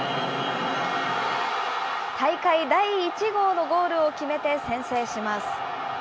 大会第１号のゴールを決めて先制します。